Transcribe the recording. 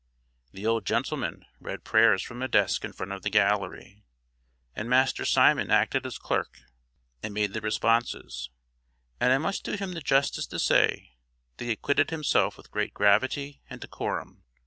The old gentleman read prayers from a desk in front of the gallery, and Master Simon acted as clerk, and made the responses; and I must do him the justice to say that he acquitted himself with great gravity and decorum.